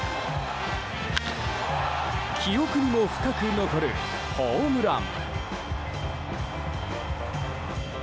記憶にも深く残るホームラン。